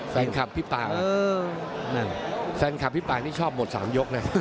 แฟนคำพี่ปากแฟนคำพี่ปากนี่ชอบหมดสามยกเลย